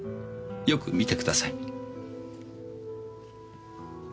よく見てください。